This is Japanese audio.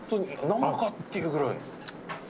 生かっていうぐらい。